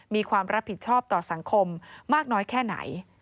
มีความรับผิดชอบต่อสังคมมากน้อยแค่ไหน